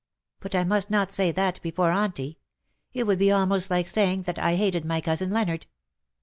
" But I must not say that before Auntie. It would be almost like saying that I hated my cousin Leonard.